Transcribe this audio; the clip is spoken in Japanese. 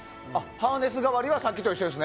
ハーネス代わりはさっきと同じですね。